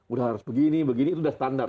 udah harus begini begini itu sudah standar